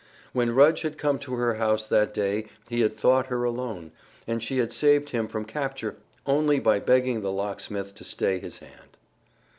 When Rudge had come to her house that day he had thought her alone, and she had saved him from capture only by begging the locksmith to stay his hand.